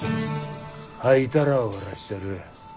吐いたら終わらしちゃる。